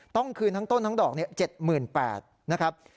ต้องคืนทั้งต้นทั้งดอก๗๘๐๐นะครับ